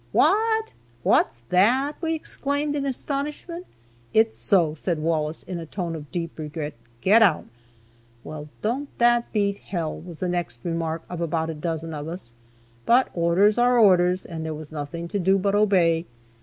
"What! What's that?" we exclaimed, in astonishment. "It's so," said Wallace, in a tone of deep regret; "get out." "Well, don't that beat hell!" was the next remark of about a dozen of us. But orders are orders, and there was nothing to do but obey.